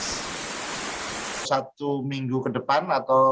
satu minggu ke depan